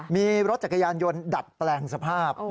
มีรถจักรยานยนต์ดัดแปลงสภาพ